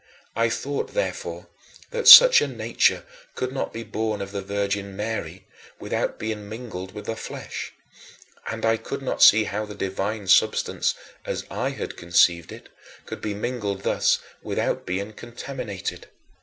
I thought, therefore, that such a nature could not be born of the Virgin Mary without being mingled with the flesh, and I could not see how the divine substance, as I had conceived it, could be mingled thus without being contaminated.